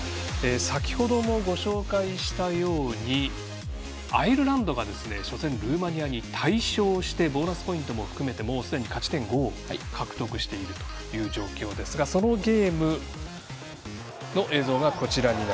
先程も、ご紹介したようにアイルランドが初戦、ルーマニアに大勝してボーナスポイントも含めてすでに勝ち点５を獲得している状況ですがそのゲームの映像です。